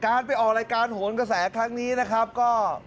ไปออกรายการโหนกระแสครั้งนี้นะครับก็